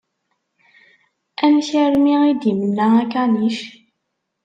Amek armi i d-imenna akanic?